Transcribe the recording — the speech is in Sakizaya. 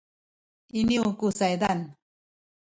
iniyu ku saydan